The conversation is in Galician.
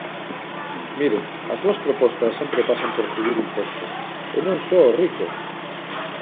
Miren, as súas propostas sempre pasan por subir impostos, e non só aos ricos.